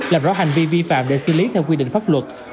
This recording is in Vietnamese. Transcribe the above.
làm rõ hành vi vi phạm để xử lý theo quy định pháp luật